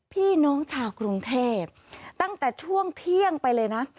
พี่น้องชาวกรุงเทพตั้งแต่ช่วงเที่ยงไปเลยนะ